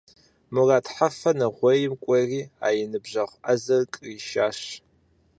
Мудар Хьэфэр Нэгъуейм кӀуэри а и ныбжьэгъу Ӏэзэр къришащ.